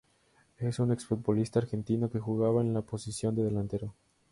Es un exfutbolista argentino que jugaba en la posición de delantero.